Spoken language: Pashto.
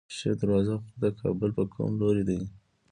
شیر دروازه غر د کابل په کوم لوري دی؟